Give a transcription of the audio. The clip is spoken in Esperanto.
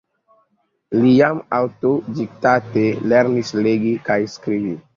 Li jam aŭtodidakte lernis legi kaj skribi.